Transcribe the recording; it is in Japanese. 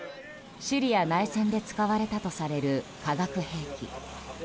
シリア内戦で使われたとされる化学兵器。